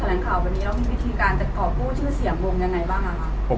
แล้วมีวิธีการจะขอบูชื่อเสียงบมยังไงบ้าง